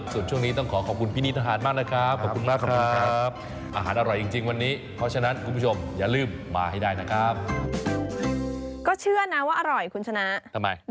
ส่วนช่วงนี้ต้องขอขอบคุณพี่นิททางอาหารมากนะครับ